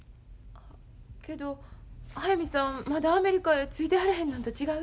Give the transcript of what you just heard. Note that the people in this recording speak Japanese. けど速水さんまだアメリカへ着いてはらへんのんと違う？